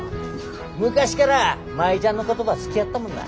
昔から舞ちゃんのことば好きやったもんな。